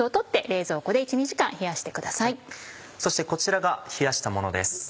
そしてこちらが冷やしたものです。